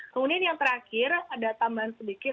kemudian yang terakhir ada tambahan sedikit